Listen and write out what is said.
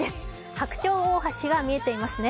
白鳥大橋が見えていますね。